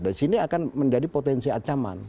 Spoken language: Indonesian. dan sini akan menjadi potensi acaman